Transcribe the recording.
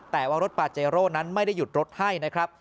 แต่ว่ารถปาเจโร่นั้นไม่ได้หยุดรถให้นะครับ